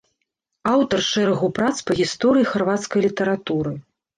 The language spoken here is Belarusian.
Аўтар шэрагу прац па гісторыі харвацкай літаратуры.